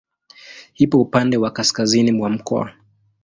Ipo upande wa kaskazini mwa mkoa.